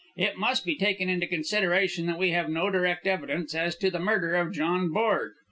It must be taken into consideration that we nave no direct evidence as to the murder of John Borg.